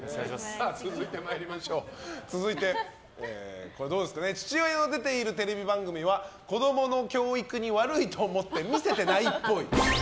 続いて、父親の出ているテレビ番組は子供の教育に悪いと思って見せてないっぽい。